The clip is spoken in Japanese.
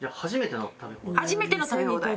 初めての食べ放題？